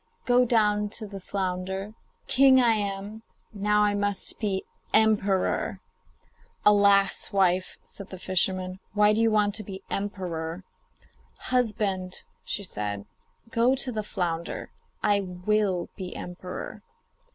Go down to the flounder; king I am, now I must be emperor.' 'Alas! wife,' said the fisherman, 'why do you want to be emperor?' 'Husband,' said she, 'go to the flounder; I will be emperor.